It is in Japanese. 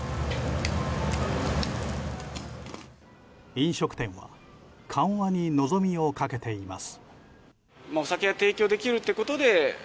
飲食店は緩和に望みをかけています。